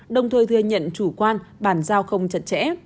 đồng thời thừa nhận chủ quan bàn giao không chặt chẽ